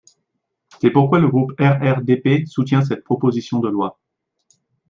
C’est pourquoi le groupe RRDP soutient cette proposition de loi.